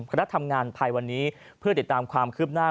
คณะทำงานภายวันนี้เพื่อติดตามความคืบหน้า